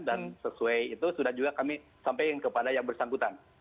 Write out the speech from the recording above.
dan sesuai itu sudah juga kami sampai kepada yang bersangkutan